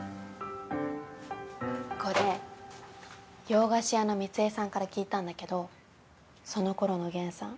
これ洋菓子屋のミツエさんから聞いたんだけどそのころのゲンさん